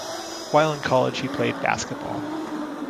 While in college, he played basketball.